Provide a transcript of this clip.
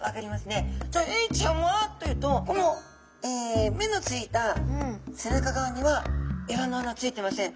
じゃあエイちゃんはというとこの目のついた背中側にはエラの穴ついてません。